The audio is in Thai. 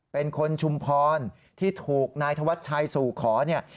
เป็นคนชุมพรที่ถูกนายธวัชชัยสู่ขอเนี่ย